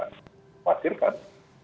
ke depan ini akan